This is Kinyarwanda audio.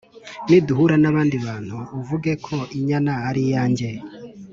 ‘niduhura n’abandi bantu uvuge ko inyana ari iyanjye ,